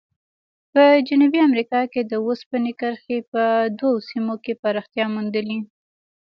په جنوبي امریکا کې د اوسپنې کرښې په دوو سیمو کې پراختیا موندلې.